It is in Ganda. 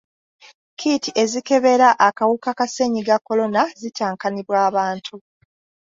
Kiiti ezikebera akawuka ka ssennyiga kolona zitankanibwa abantu.